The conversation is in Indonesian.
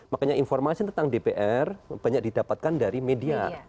makanya informasi tentang dpr banyak didapatkan dari media